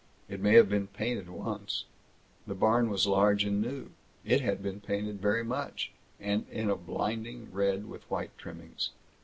It may have been painted once. The barn was large and new. It had been painted very much, and in a blinding red with white trimmings.